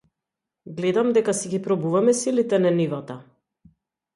Гледам дека си ги пробуваме силите на нивата?